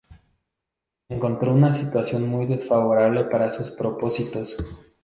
Encontró una situación muy desfavorable para sus propósitos.